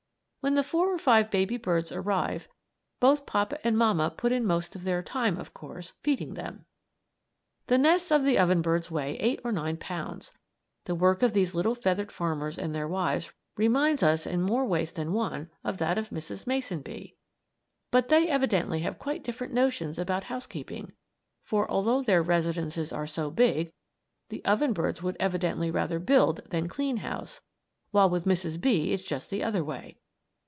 When the four or five baby birds arrive both papa and mamma put in most of their time, of course, feeding them. The nests of the oven birds weigh eight or nine pounds. The work of these little feathered farmers and their wives reminds us in more ways than one of that of Mrs. Mason Bee, but they evidently have quite different notions about housekeeping; for, although their residences are so big, the oven birds would evidently rather build than clean house, while with Mrs. Bee it's just the other way.